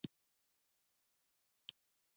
زموږ له وطني شولې سره یې توپیر و.